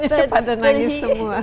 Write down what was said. mulutnya pada menangis semua